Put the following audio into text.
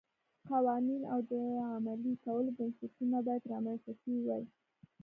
قوانین او د عملي کولو بنسټونه باید رامنځته شوي وای